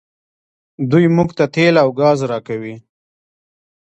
دوی موږ ته تیل او ګاز راکوي.